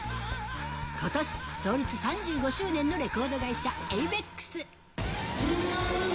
ことし、創立３５周年のレコード会社、ａｖｅｘ。